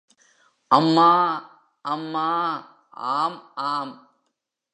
அம்மா... அம்மா...... ஆம், ஆம்!